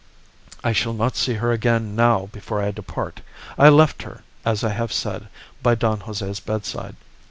"I shall not see her again now before I depart. I left her, as I have said, by Don Jose's bedside.